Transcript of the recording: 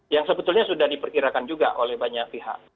yang sebetulnya sudah diperkirakan juga oleh banyak pihak